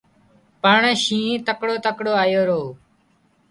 پڻ شِنهن تڪڙو تڪڙو آيو رو